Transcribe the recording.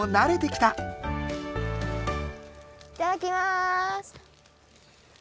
いただきます。